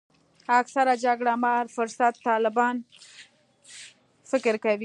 اکثره جګړه مار فرصت طلبان فکر کوي.